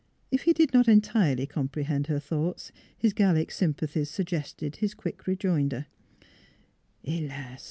If he did not entirely comprehend her thoughts, his Gallic sympathies suggested his quick rejoinder: " Helas!